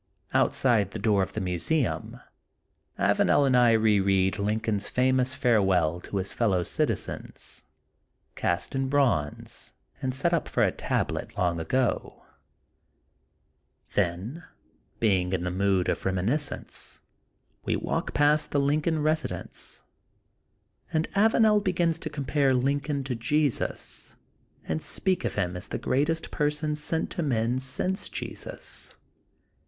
Outside the door of the mu seum, Avanel and I re read Lincoln 's famous 184 THE GOLDEN BOOK OF SPRINGFIELD farewell to his fellow citizens, cast in bronze and set up for a tablet long ago. Then, being in the mood of reminiscence, we 'walk p^t the Lincoln residence and Avanel begins to compare Lincoln to Jesus and speak of him as the greatest person sent to men since Jesus.